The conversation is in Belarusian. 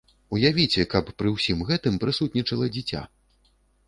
Уявіце, каб пры ўсім гэтым прысутнічала дзіця!